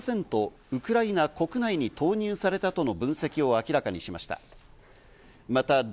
ウクライナ国内に投入されたとの分析を明らかにしました。